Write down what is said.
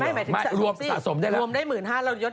คุณม้าสมมุติไปเที่ยวว่าฉันรู้แล้วเราไปหาพี่เราดีกว่า